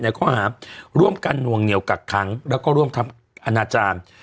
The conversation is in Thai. ข้อหาร่วมกันนวงเหนียวกักขังแล้วก็ร่วมทำอนาจารย์